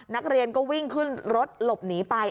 นักเรียนก็วิ่งขึ้นรถหลบหนีไป